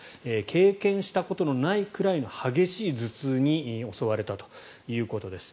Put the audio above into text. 経験したことのないくらいの激しい頭痛に襲われたということです。